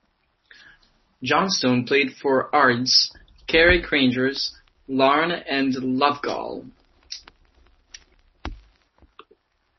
Johnstone played for Ards, Carrick Rangers, Larne and Loughgall.